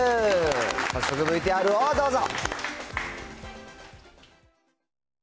早速、ＶＴＲをどうぞ。